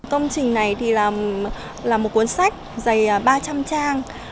công trình này là một cuốn sách dày ba trăm linh trang